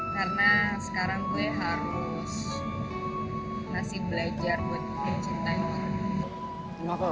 karena sekarang gue harus masih belajar buat bikin cinta ini